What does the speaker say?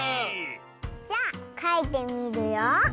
じゃあかいてみるよ。